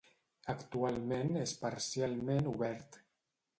Actualment és parcialment obert.